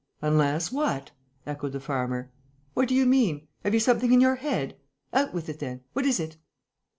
"Unless what?" echoed the farmer. "What do you mean? Have you something in your head? Out with it, then! What is it?"